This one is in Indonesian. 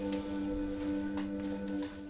bumk kampung sampah blank room